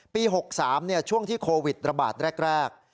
ปี๖๓ช่วงที่โควิดระบาดแรก